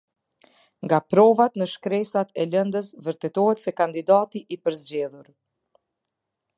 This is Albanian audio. Nga provat në shkresat e lëndës vërtetohet se kandidati i përzgjedhur.